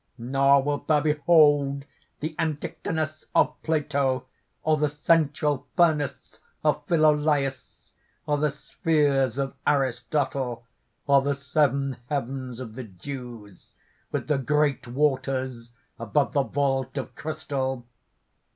Nor wilt thou behold the antichtonus of Plato, or the central furnace of Philolaüs, or the spheres of Aristotle, or the seven heavens of the Jews, with the great waters above the vault of crystal!"